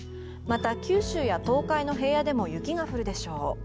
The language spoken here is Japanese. また九州や東海の平野でも雪が降るでしょう。